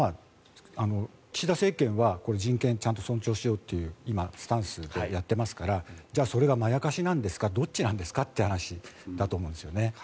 岸田政権は人権ちゃんと尊重しようというスタンスで今、やっていますからじゃあそれがまやかしなんですかどっちなんですかという話なんだと思うんですよね。